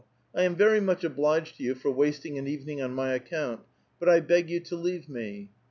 I am very much obliged to yon for wasting an evening on my account, but 1 beg you to leave me."